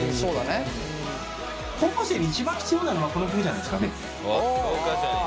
高校生に一番必要なのはこの曲じゃないですかね。